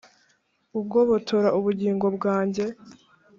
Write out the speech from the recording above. ugobotora ubugingo bwanjye;